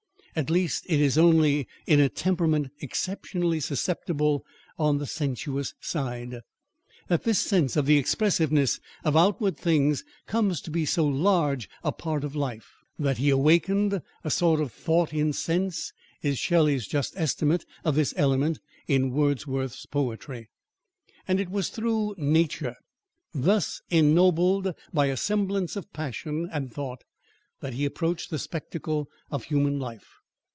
At least, it is only in a temperament exceptionally susceptible on the sensuous side, that this sense of the expressiveness of outward things comes to be so large a part of life. That he awakened "a sort of thought in sense," is Shelley's just estimate of this element in Wordsworth's poetry. And it was through nature, thus ennobled by a semblance of passion and thought, that he approached the spectacle of human life.